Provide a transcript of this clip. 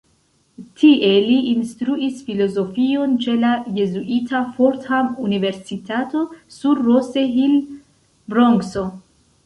Tie li instruis filozofion ĉe la jezuita Fordham-universitato sur Rose Hill, Bronkso.